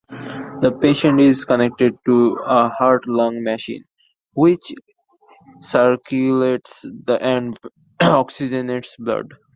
The patient is connected to a heart-lung machine, which circulates and oxygenates blood.